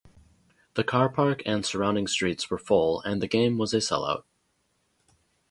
The car park and surrounding streets were full and the game was a sell-out.